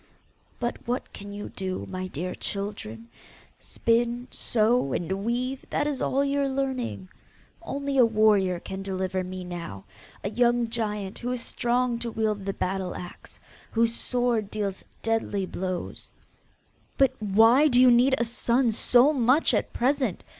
'But what can you do, my dear children? Spin, sew, and weave that is all your learning. Only a warrior can deliver me now, a young giant who is strong to wield the battle axe: whose sword deals deadly blows.' 'But WHY do you need a son so much at present?